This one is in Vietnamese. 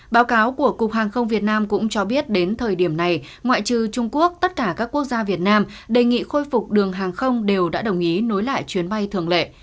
báo cáo của cục hàng không việt nam cũng cho biết đến thời điểm này ngoại trừ trung quốc tất cả các quốc gia việt nam đề nghị khôi phục đường hàng không đều đã đồng ý nối lại chuyến bay thường lệ